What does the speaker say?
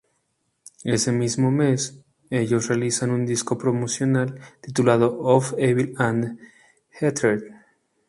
Ese mismo mes, ellos realizan un disco promocional, titulado "Of Evil and Hatred".